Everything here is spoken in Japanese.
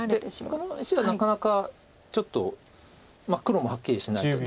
この石はなかなかちょっと黒もはっきりしないと。